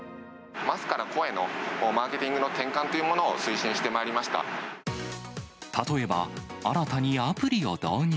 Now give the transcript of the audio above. マスから個へのマーケティングの転換というものを推奨してま例えば、新たにアプリを導入。